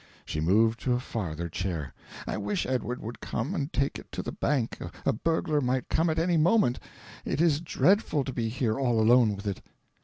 She moved to a farther chair... "I wish Edward would come, and take it to the bank; a burglar might come at any moment; it is dreadful to be here all alone with it."